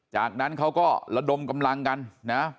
จากนั้นเขาก็ระดมกำลังกันนะ